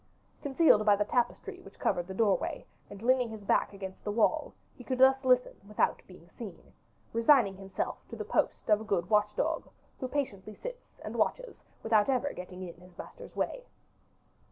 Concealed by the tapestry which covered the doorway, and leaning his back against the wall, he could thus listen without being seen; resigning himself to the post of a good watch dog, who patiently waits and watches without ever getting in his master's way.